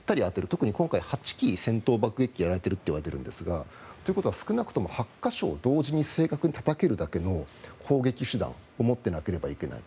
特に今回、８機戦闘爆撃機がやられてるといわれているんですがということは少なくとも８か所を同時に正確にたたけるだけの砲撃手段を持っていなければならない。